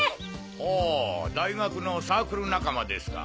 ほう大学のサークル仲間ですか。